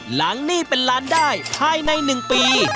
หลังนี่เป็นล้านได้ภายในหนึ่งปี